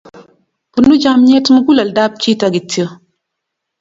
bunu chomyet muguleldab chito kityo